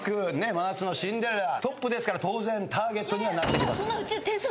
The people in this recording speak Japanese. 『真夏のシンデレラ』トップですから当然ターゲットにはなってきます。